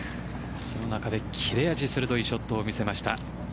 その中で切れ味鋭いショットを見せました。